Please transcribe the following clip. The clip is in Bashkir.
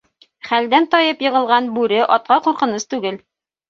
Хәлдән тайын йығылған бүре атҡа ҡурҡыныс түгел.